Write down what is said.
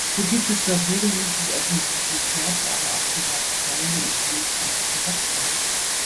So gibt es dort regelmäßig öffentliche Konzerte, aber auch private Feiern und standesamtliche Hochzeiten.